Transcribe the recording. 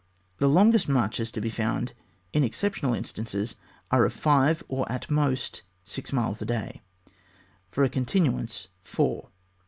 The longest marches to be found in ex ceptional instances are of five, or at most six miles a day ; for a continuance four.